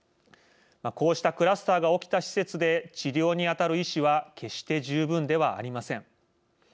こうしたクラスターが起きた施設で治療に当たる医師は決して十分ではありません。